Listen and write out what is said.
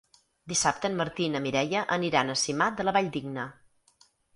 Dissabte en Martí i na Mireia aniran a Simat de la Valldigna.